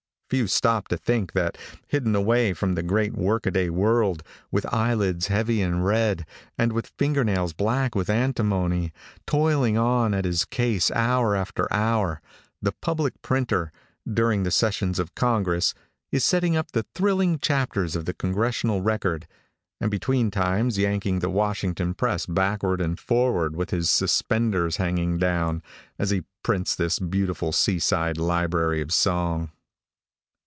Few stop to think that hidden away from the great work a day world, with eyelids heavy and red, and with finger nails black with antimony, toiling on at his case hour after hour, the public printer, during the sessions of Congress, is setting up the thrilling chapters of the Congressional Record, and between times yanking the Washington press backward and forward, with his suspenders hanging down, as he prints this beautiful sea side library of song.